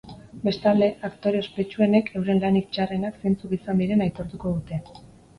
Bestalde, aktore ospetsuenek euren lanik txarrenak zeintzuk izan diren aitortuko dute.